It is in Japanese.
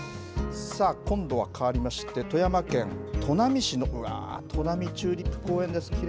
今度はかわりまして、富山県砺波市の、うわー、となみチューリップ公園です。